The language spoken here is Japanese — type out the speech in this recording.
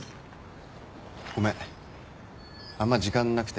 ごめんあんま時間なくて。